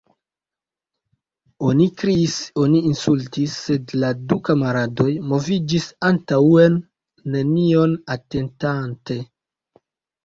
Oni kriis, oni insultis, sed la du kamaradoj moviĝis antaŭen, nenion atentante.